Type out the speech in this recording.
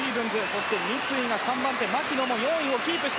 そして三井が３番手牧野も４位をキープ。